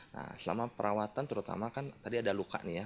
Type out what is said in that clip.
nah selama perawatan terutama kan tadi ada luka nih ya